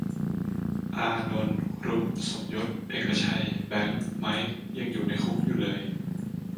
"อานนท์ รุ้ง สมยศ เอกชัย แบงค์ ไมค์ ยังอยู่ในคุกอยู่เลย"